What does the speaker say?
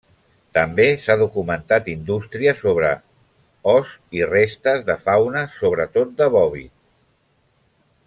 També s'ha documentat indústria sobre os i restes de fauna, sobretot de bòvid.